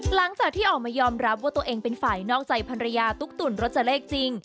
หลังจากที่ออกมายอมรับว่าตัวเองเป็นฝ่ายนอกใจภรรยาตุ๊กตุ๋นรจเลขจริง